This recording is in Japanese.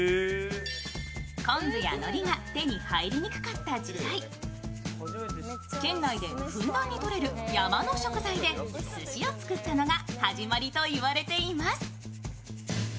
昆布やのりが手に入りにくかった時代、県内でふんだんにとれる山の食材ですしを作ったのが始まりといわれています。